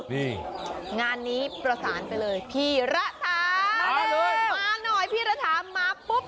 นี่งานนี้ประสานไปเลยพี่ระถามมาหน่อยพี่ระถามาปุ๊บ